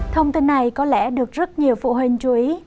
thông tin này có lẽ được rất nhiều phụ huynh chú ý